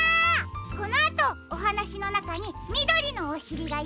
このあとおはなしのなかにみどりのおしりが４こかくされているよ。